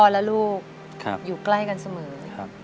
แล้วลูกอยู่ใกล้ค่ะ